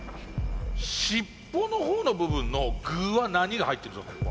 尻尾の方の部分の具は何が入ってるんでしょう？